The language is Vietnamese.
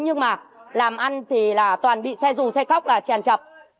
nhưng mà làm ăn thì là toàn bị xe rù xe khóc là chèn chập